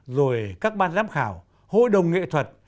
rồi các ban giám khảo hội đồng nghệ thuật